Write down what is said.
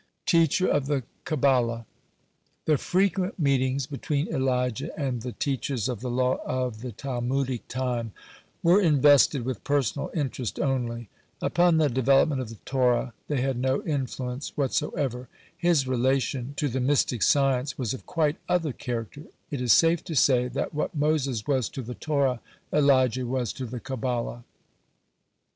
(97) TEACHER OF THE KABBALAH The frequent meetings between Elijah and the teachers of the law of the Talmudic time were invested with personal interest only. Upon the development of the Torah they had no influence whatsoever. His relation to the mystic science was of quite other character. It is safe to say that what Moses was to the Torah, Elijah was to the Kabbalah.